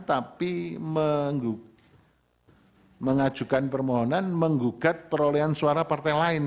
tapi mengajukan permohonan menggugat perolehan suara partai lain